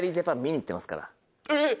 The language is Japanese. えっ！